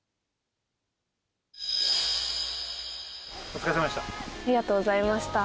お疲れさまでした。